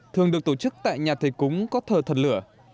thường được tổ chức tại nhà thầy cúng có thờ thần lửa